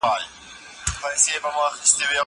زه اوس مېوې وچوم!؟